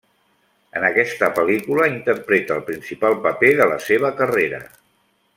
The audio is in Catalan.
En aquesta pel·lícula, interpreta el principal paper de la seva carrera.